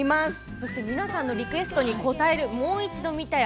そして皆さんのリクエストに応える「もう一度見たい！